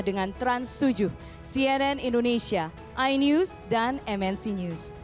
dengan trans tujuh cnn indonesia inews dan mnc news